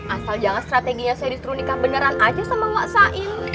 asal jangan strateginya saya disuruh nikah beneran aja sama ⁇ wasain